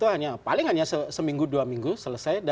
untuk menurut anda